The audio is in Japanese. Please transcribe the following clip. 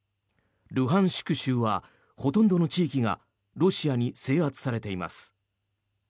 ルハンシク州はほとんどの地域がロシアに制圧されています。